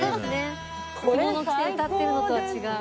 着物着て歌ってるのとは違う。